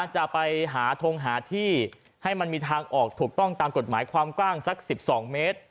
จะไปหาทงหาที่ให้มันมีทางออกถูกต้องตามกฎหมายความกว้างสัก๑๒เมตร